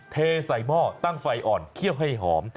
เทใส่หม้อตั้งไฟอ่อนเคี่ยวให้หอม